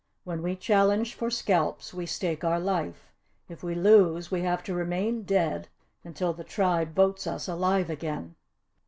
When we challenge for scalps we stake our life. If we lose we have to remain dead until the Tribe votes us alive again."